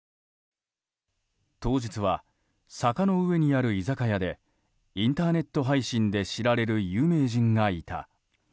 当日は、坂の上にある居酒屋でインターネット配信で知られる有名人がいた。